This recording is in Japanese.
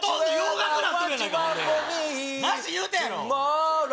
なし言うたやろ！